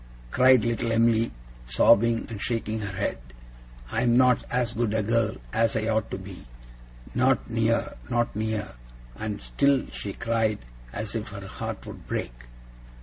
cried little Em'ly, sobbing, and shaking her head. 'I am not as good a girl as I ought to be. Not near! not near!' And still she cried, as if her heart would break.